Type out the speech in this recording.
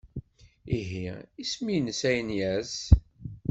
Ihi, isem-nnes Agnes.